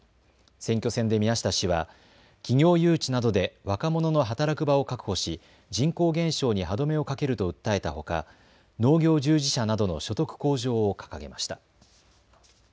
選挙戦で宮下氏は企業誘致などで若者の働く場を確保し人口減少に歯止めをかけると訴えたほか農業従事者などの所得向上を掲げました。